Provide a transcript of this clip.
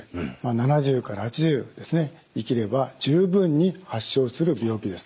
７０から８０生きれば十分に発症する病気です。